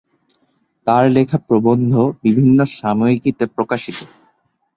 তার লেখা প্রবন্ধ বিভিন্ন সাময়িকীতে প্রকাশিত।